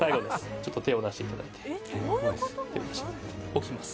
ちょっと手を出していただいて置きます